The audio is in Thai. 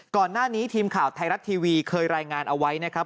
ก่อนหน้านี้ทีมข่าวไทยรัฐทีวีเคยรายงานเอาไว้นะครับ